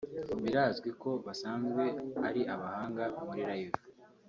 birazwi ko basanzwe ari abahanga muri live